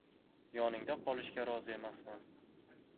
Yoningda qolishga rozi emasman.